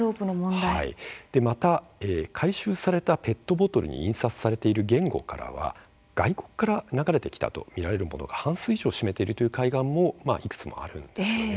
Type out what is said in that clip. また回収されたペットボトルに印刷されている言語から外国から流れてきたとみられるものが半数以上を占めているという海岸もいくつもあります。